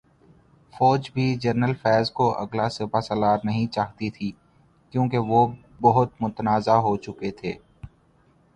فوج بھی جنرل فیض کو اگلا سپاسالار نہیں چاہتی تھی، کیونکہ وہ بہت متنازع ہوچکے تھے۔۔